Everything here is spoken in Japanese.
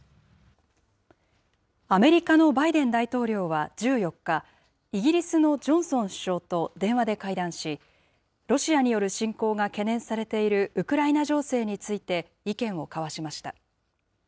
アメリカのバイデン大統領は１４日、イギリスのジョンソン首相と電話で会談し、ロシアによる侵攻が懸念されているウクライナ情勢について、意見を交わしました。